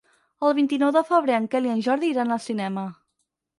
El vint-i-nou de febrer en Quel i en Jordi iran al cinema.